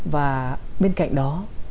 và bên cạnh đó